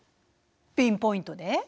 ピンポイントで？